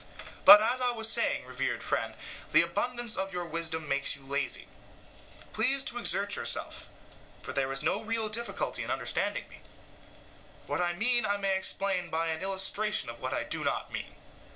But, as I was saying, revered friend, the abundance of your wisdom makes you lazy. Please to exert yourself, for there is no real difficulty in understanding me. What I mean I may explain by an illustration of what I do not mean.